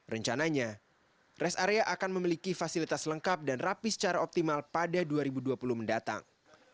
rencananya rest area akan memiliki fasilitas lengkap dan rapi secara optimal pada dua ribu dua puluh mendatang